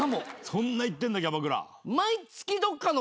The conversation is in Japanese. そんな行ってんだキャバクラ。